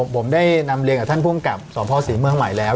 ผมได้นำเรียกจากท่านผู้ข้องกรรมสวมพศรีเมืองหวัยแล้ว